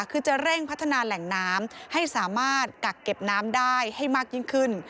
คือจะเร่งพัฒนาแหล่งน้ำให้สามารถกักเก็บน้ำได้ให้มากยิ่งขึ้น